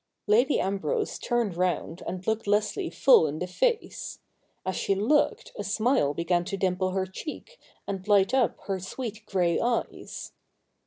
Lady Ambrose turned round and looked Leslie full in the face. As she looked, a smile began to dimple her cheek, and light up her sweet grey eyes.